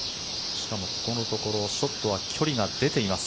しかも、このところショットは距離が出ています。